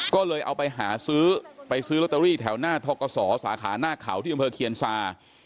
ก็เลยเอาไปหาซื้อไปซื้อลอตเตอรี่แถวหน้าทกศสาขาหน้าเขาที่อำเภอเคียนซา